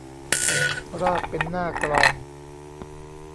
ราบเป็นหน้ากลอง